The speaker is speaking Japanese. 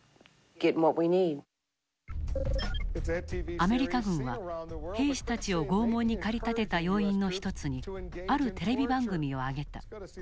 アメリカ軍は兵士たちを拷問に駆り立てた要因の一つにあるテレビ番組を挙げた。